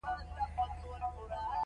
خلافت په مقابل کې کمزوری دی.